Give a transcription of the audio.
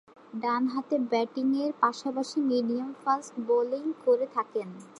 ডানহাতে ব্যাটিংয়ের পাশাপাশি মিডিয়াম ফাস্ট বোলিং করে থাকেন।